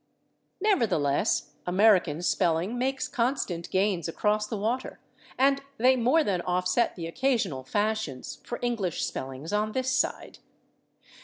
Nevertheless, American spelling makes constant gains across the water, and they more than offset the occasional fashions for English spellings on this side.